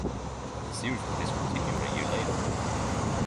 The series was discontinued a year later.